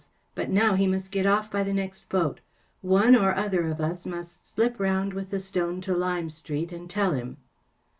But now he must get off by the next boat. One or other of us must slip round with the stone to Lime Street and tell him.